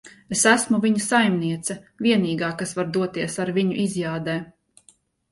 Es esmu viņa saimniece. Vienīgā, kas var doties ar viņu izjādē.